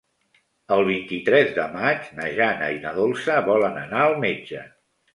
El vint-i-tres de maig na Jana i na Dolça volen anar al metge.